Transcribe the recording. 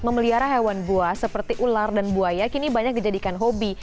memelihara hewan buas seperti ular dan buaya kini banyak dijadikan hobi